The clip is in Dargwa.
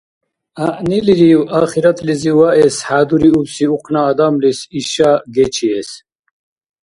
Гӏягӏнилирив ахиратлизи ваэс хӏядуриубси ухъна адамлис иша гечиэс?